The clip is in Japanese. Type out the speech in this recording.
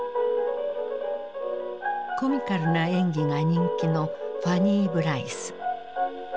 コミカルな演技が人気のファニー・ブライス。